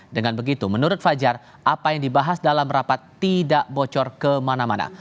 dengan begitu menurut fajar apa yang dibahas dalam rapat tidak bocor kemana mana